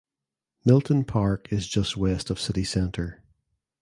Milton Park is just west of city centre.